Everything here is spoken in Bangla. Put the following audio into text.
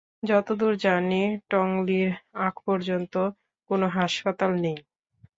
যতদূর জানি টংলির আগপর্যন্ত কোন হাসপাতাল নেই।